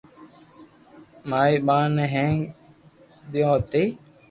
ماري ٻآن ني ھيک ديديو ھتي